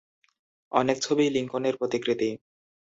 অনেক ছবিই লিঙ্কনের প্রতিকৃতি।